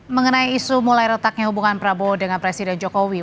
mengenai isu mulai retaknya hubungan prabowo dengan presiden jokowi